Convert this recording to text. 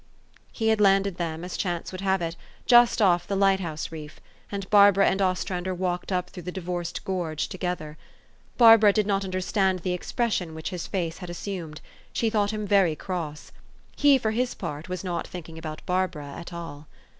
He had landed them, as chance would have it, just off the light house reef ; and Barbara and Ostrander walked up through the divorced gorge together. Barbara did not understand the expression which his face had assumed. She thought him very cross. He, for his part, was not thinking about Barbara at all.